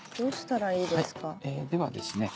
はいではですね